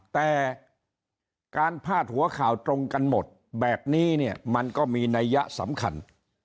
แต่การพาดหัวข่าวตรงกันหมดแบบนี้เนี่ยมันก็มีนัยยะสำคัญ